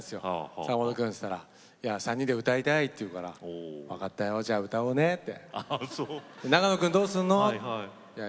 坂本君って言ったら３人で歌いたいって言うから分かったよ、じゃあ歌おうねって。